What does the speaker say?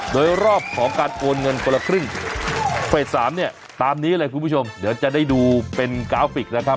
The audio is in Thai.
โดยรอบของการโอนเงินคนละครึ่งเฟส๓เนี่ยตามนี้เลยคุณผู้ชมเดี๋ยวจะได้ดูเป็นกราฟิกนะครับ